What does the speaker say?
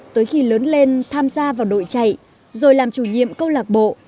tới khi lớn lên tham gia vào đội chạy rồi làm chủ nhiệm câu lạc bộ